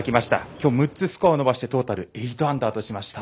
きょう６つスコア伸ばしてトータル８アンダーとしました。